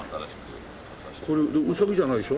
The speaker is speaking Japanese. これウサギじゃないでしょ？